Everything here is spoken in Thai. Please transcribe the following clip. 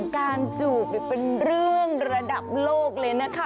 จูบเป็นเรื่องระดับโลกเลยนะคะ